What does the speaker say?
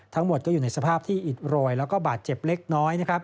ทั้งหมดอยู่ในสภาพที่อิดรวยและบาดเจ็บเหล็กน้อย